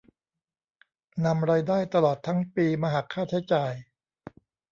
นำรายได้ตลอดทั้งปีมาหักค่าใช้จ่าย